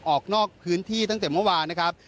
ออกนอกพื้นที่ตั้งแต่เมื่อวานนะครับ